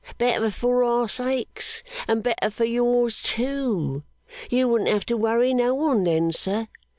Better for our sakes, and better for yours, too. You wouldn't have to worry no one, then, sir.